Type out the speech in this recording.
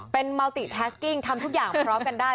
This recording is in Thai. เป็นเมาติแทสกิ้งทำทุกอย่างพร้อมกันได้